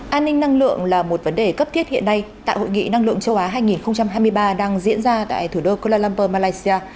an ninh năng lượng là một vấn đề cấp thiết hiện nay tại hội nghị năng lượng châu á hai nghìn hai mươi ba đang diễn ra tại thủ đô kuala lumpur malaysia